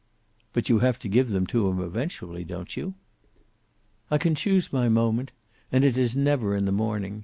"But you have to give them to him eventually, don't you?" "I can choose my moment. And it is never in the morning.